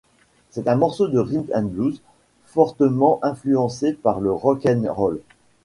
C'est un morceau de rhythm and blues fortement influencé par le rock 'n' roll.